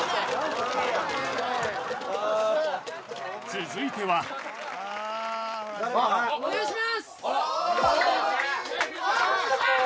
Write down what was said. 続いては誰かお願いします！